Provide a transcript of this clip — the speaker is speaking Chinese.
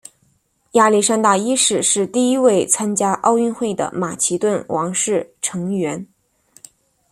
亚历山大一世是第一位参加奥运会的马其顿王室成员。